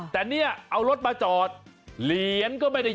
แต่นี่เอารถมัวจอดเหลียนก็ไม่ได้ยอด